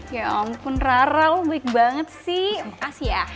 ya ampun rara lo baik banget sih makasih ya